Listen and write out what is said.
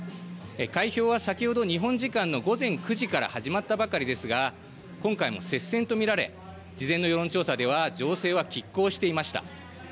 開票は先ほど日本時間の午前９時から始まったばかりですが今回も接戦と見られ、事前の世論調査では情勢はきっ抗していました。